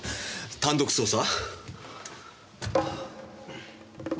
単独捜査。